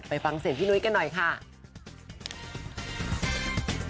ไปฟังเสียงพี่นุ้ยกันหน่อยค่ะ